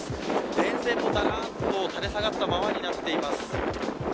電線もだらんと垂れ下がったままになっています。